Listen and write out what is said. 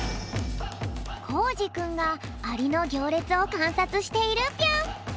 コージくんがアリのぎょうれつをかんさつしているぴょん。